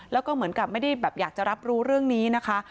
แล้วก็เหมือนกับไม่ได้แบบอยากจะรับรู้เรื่องนี้นะคะ